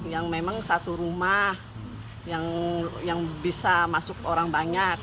yang memang satu rumah yang bisa masuk orang banyak